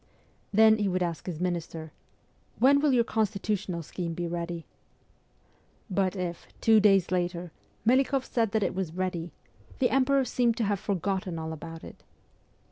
Then he would ask his minister, ' When will your constitutional scheme be ready ?' But if, two days later, Melikoff said that it was ready, the Emperor seemed to have forgotten all about it.